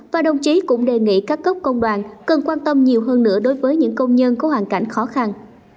và đồng chí cũng đề nghị các cấp công đoàn cần quan tâm nhiều hơn nữa đối với những công nhân có hoàn cảnh khó khăn